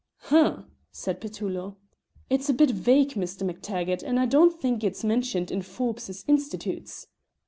"H'm!" said Petullo. "It's a bit vague, Mr. MacTaggart, and I don't think it's mentioned in Forbes's 'Institutes.'